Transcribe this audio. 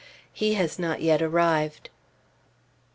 He has not yet arrived.